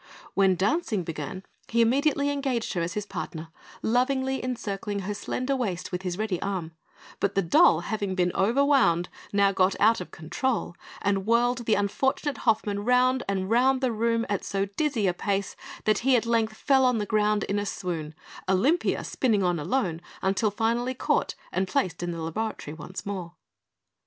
When dancing began he immediately engaged her as his partner, lovingly encircling her slender waist with his ready arm; but the doll, having been overwound, now got out of control, and whirled the unfortunate Hoffmann round and round the room at so dizzy a pace that he at length fell to the ground in a swoon, Olympia spinning on alone until finally caught and placed in the laboratory once more.